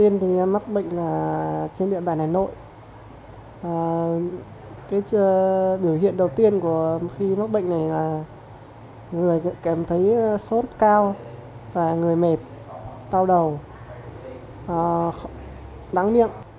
người cảm thấy sốt cao và người mệt tao đầu đắng miệng